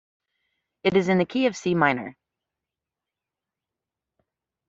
It is in the key of C minor.